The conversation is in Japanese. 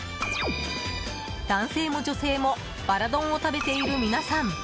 男性も女性もバラ丼を食べている皆さん